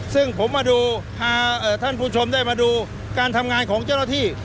ซึ่งพลังผ่านผู้ชมเดี่ยวมาดูการทำงานของเจ้าหน้าที่